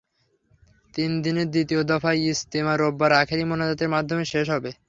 তিন দিনের দ্বিতীয় দফার ইজতেমা রোববার আখেরি মোনাজাতের মাধ্যমে শেষ হবে।